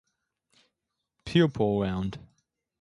Pupil round.